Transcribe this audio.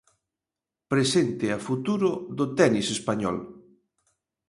Presente e futuro do tenis español.